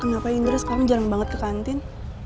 kenapa indra sekarang jarang banget ke kantin